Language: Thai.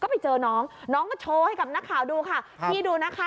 ไปเจอน้องน้องก็โชว์ให้กับนักข่าวดูค่ะพี่ดูนะคะ